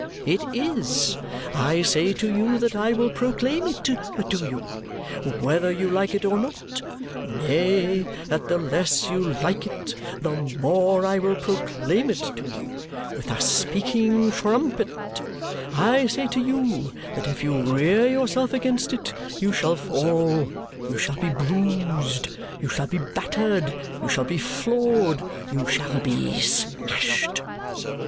It is! I say to you that I will proclaim it to you, whether you like it or not; nay, that the less you like it, the more I will proclaim it to you. With a speaking trumpet! I say to you that if you rear yourself against it, you shall fall, you shall be bruised, you shall be battered, you shall be flawed, you shall be smashed."